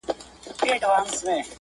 د پښتون، تاجک، ازبک او پشیي